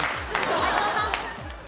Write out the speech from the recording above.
斎藤さん。